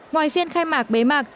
ngoài phiên khai mạc bế mạc